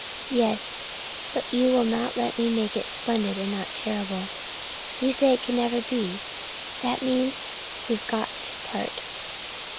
"Yes. But you will not let me make it splendid and not terrible. You say it never can be that means we've got to part.